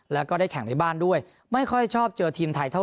แล้วก็ได้แข่งในบ้านด้วยไม่ค่อยชอบเจอทีมไทยเท่า